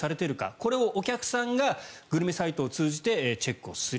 これをお客さんがグルメサイトを通じてチェックをする。